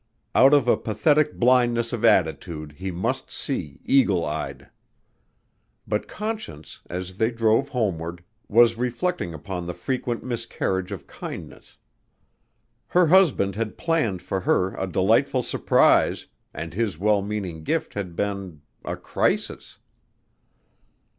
Out of a pathetic blindness of attitude he must see, eagle eyed. But Conscience, as they drove homeward, was reflecting upon the frequent miscarriage of kindness. Her husband had planned for her a delightful surprise and his well meaning gift had been a crisis.